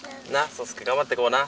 奏介頑張っていこうな。